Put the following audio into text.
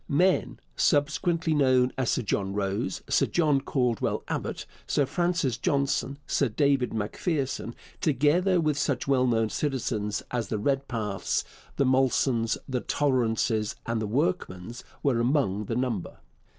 Men subsequently known as Sir John Rose, Sir John Caldwell Abbott, Sir Francis Johnson, Sir David Macpherson, together with such well known citizens as the Redpaths, the Molsons, the Torrances, and the Workmans, were among the number.